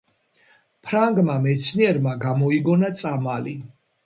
ფრანგმა მეცნიერმა გამოიგონა წამალი